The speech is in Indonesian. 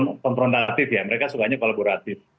nggak suka konfrontatif ya mereka sukanya kolaboratif